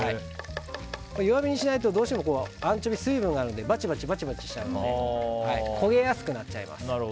弱火にしないとどうしてもアンチョビは水分があるのでバチバチしちゃうので焦げやすくなっちゃいます。